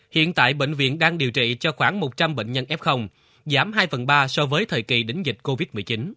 hiện tại bệnh viện đang điều trị cho khoảng một trăm linh bệnh nhân f giảm hai phần ba so với thời kỳ đỉnh dịch covid một mươi chín